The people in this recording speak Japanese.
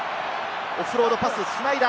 オフロードパス繋いだ。